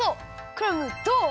クラムどう？